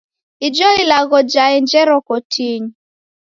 Ijo ilagho jaenjero kotinyi.